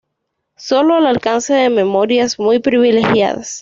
sólo al alcance de memorias muy privilegiadas